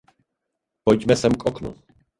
Pojďte sem k oknu.